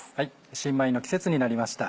新米の季節になりました。